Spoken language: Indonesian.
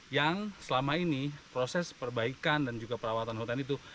yang selama ini proses perbaikan dan juga perawatan hutan itu